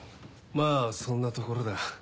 まぁそんなところだ